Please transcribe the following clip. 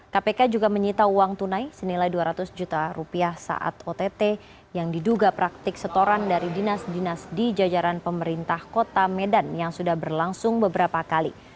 kpk juga menyita uang tunai senilai dua ratus juta rupiah saat ott yang diduga praktik setoran dari dinas dinas di jajaran pemerintah kota medan yang sudah berlangsung beberapa kali